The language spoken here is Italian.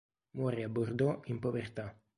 Muore a Bordeaux in povertà.